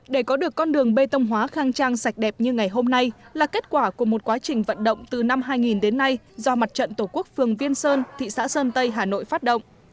để có được con đường bê tông hóa khang trang sạch đẹp như ngày hôm nay là kết quả của một quá trình vận động từ năm hai nghìn đến nay do mặt trận tổ quốc phường viên sơn thị xã sơn tây hà nội phát động